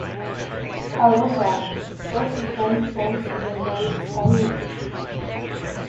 However, such systems tend to be analytically intractable.